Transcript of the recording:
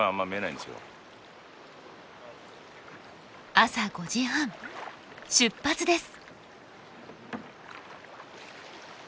朝５時半出発です。